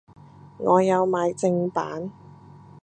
我有買正版